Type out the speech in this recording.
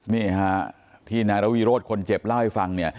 นี่ฮะที่นายระวิโรธคนเจ็บเล่าให้ฟังเนี่ย